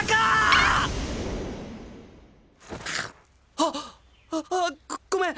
あっ！わあごめん！